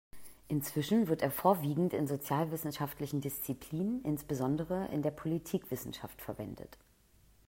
Inzwischen wird er vorwiegend in sozialwissenschaftlichen Disziplinen, insbesondere in der Politikwissenschaft verwendet.